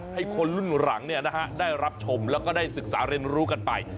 ให้คนรุ่นหลังได้รับชมแล้วก็ได้ศึกษาเรียนรู้กันไป